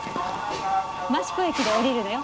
益子駅で降りるのよ。